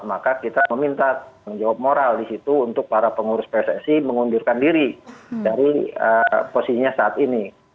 maka kita meminta tanggung jawab moral di situ untuk para pengurus pssi mengundurkan diri dari posisinya saat ini